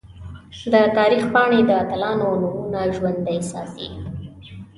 د تاریخ پاڼې د اتلانو نومونه ژوندۍ ساتي.